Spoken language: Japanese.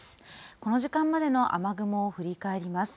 この時間までの雨雲を振り返ります。